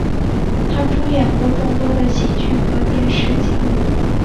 他出演过众多的喜剧和电视节目。